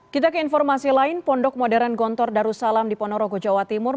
kita ke informasi lain pondok modern gontor darussalam di ponorogo jawa timur